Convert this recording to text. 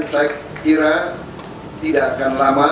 saya kira tidak akan lama